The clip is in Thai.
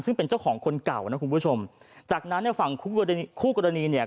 ซึ่งเป็นเจ้าของคนเก่านะคุณผู้ชมจากนั้นฝั่งคู่กรณีเนี่ย